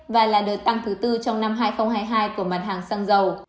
và là đợt tăng thứ tư trong năm hai nghìn hai mươi hai của mặt hàng xăng dầu